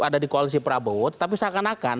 ada di koalisi prabowo tetapi seakan akan